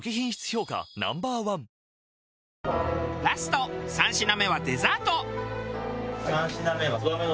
ラスト３品目はデザート。